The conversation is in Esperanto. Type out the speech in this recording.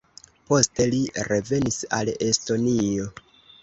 Poste li revenis al Estonio.